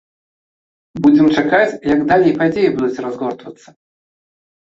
Будзем чакаць, як далей падзеі будуць разгортвацца.